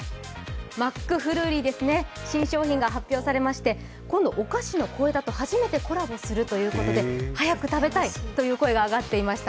マックフルーリーですね、新商品が発表されまして今度お菓子の小枝と初めてコラボするということで早く食べたいという声が上っていました。